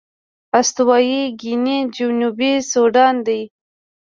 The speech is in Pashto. استوايي ګيني جنوبي سوډان دي.